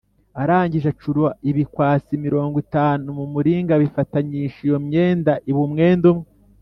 Arangije acura ibikwasi mirongo itanu mu muringa abifatanyisha iyo myenda iba umwenda umwe